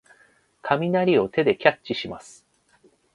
雷を手でキャッチします。